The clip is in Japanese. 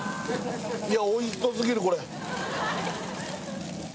いやおいしそすぎるこれ！